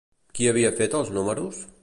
Qui havia fet els números?